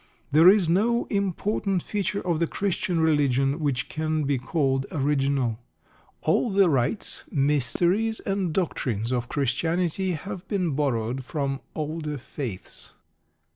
There is no important feature of the Christian religion which can be called original. All the rites, mysteries, and doctrines of Christianity have been borrowed from older faiths.